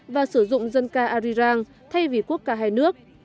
và sử dụng dân ca arirang thay vì quốc ca hai nước